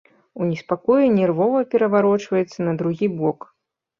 У неспакоі нервова пераварочваецца на другі бок.